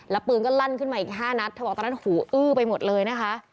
แล้วปืนก็ลั่นขึ้นมาอีก๕นัดเธอบอกตอนนั้นหูอื้อไปหมดเลยนะคะ